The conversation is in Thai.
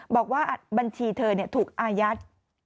บอกว่าบัญชีเธอถูกอายัด